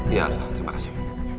iya alva terima kasih